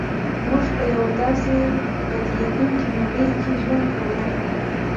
موږ په یوه داسې بدلېدونکې نړۍ کې ژوند کوو